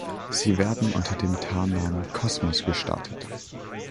Sie werden unter dem Tarnnamen Kosmos gestartet.